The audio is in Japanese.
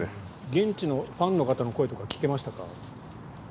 現地のファンの方の声とか聞けましたか？